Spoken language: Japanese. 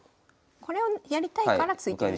これをやりたいから突いてるんですね。